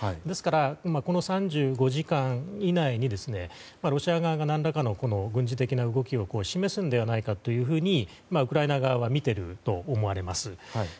ですから、この３５時間以内にロシア側が何らかの軍事的な動きを示すのではないかというふうにウクライナ側は見ていると思われます。